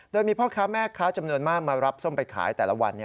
โดยมีพ่อค้าแม่ค้าจำนวนมากมารับส้มไปขายแต่ละวัน